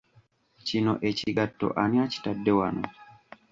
Kino ekigatto ani akitadde wano?